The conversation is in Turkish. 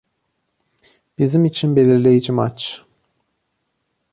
Bizim için belirleyici maç.